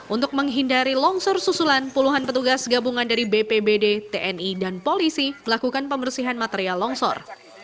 untuk menghindari longsor susulan puluhan petugas gabungan dari bpbd tni dan polisi melakukan pembersihan material longsor